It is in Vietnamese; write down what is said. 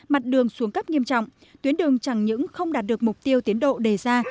mặt đường xuống cấp nghiêm trọng tuyến đường chẳng những không đạt được mục tiêu tiến độ đề ra